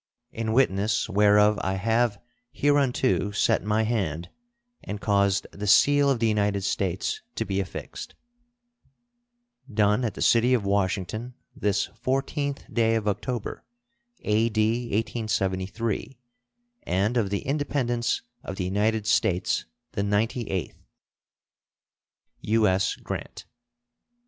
In witness whereof I have hereunto set my hand and caused the seal of the United States to be affixed. [SEAL.] Done at the city of Washington, this 14th day of October, A.D. 1873, and of the Independence of the United States the ninety eighth. U.S. GRANT.